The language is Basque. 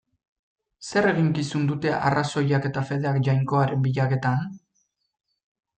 Zer eginkizun dute arrazoiak eta fedeak Jainkoaren bilaketan?